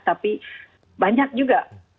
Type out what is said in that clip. tapi banyak juga orang orang itu